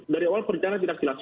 dari awal perencanaan tidak jelas